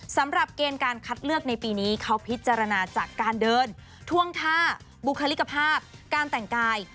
สำหรับเกณฑ์การคัดเลือกในปีนี้เขาพิจารณาจากการเดินท่วงท่าบุคลิกภาพการแต่งกาย